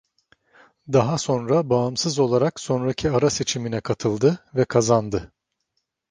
Daha sonra bağımsız olarak sonraki ara seçimine katıldı ve kazandı.